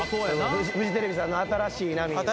フジテレビさんの『新しい波』